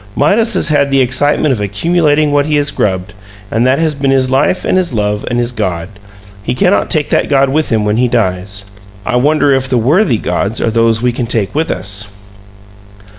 Midas has had the excitement of accumulating what he has grubbed, and that has been his life and his love and his god. He cannot take that god with him when he dies. I wonder if the worthy gods are those we can take with us.